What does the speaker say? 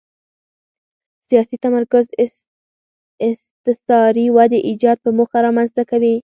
سیاسي تمرکز استثاري ودې ایجاد په موخه رامنځته کوي.